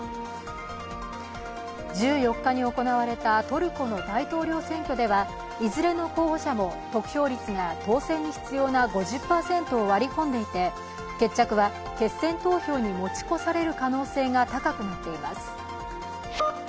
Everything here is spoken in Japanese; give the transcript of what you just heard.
１４日に行われたトルコの大統領選挙ではいずれの候補者も得票率が当選に必要な５０％を割り込んでいて決着は決選投票に持ち越される可能性が高くなっています。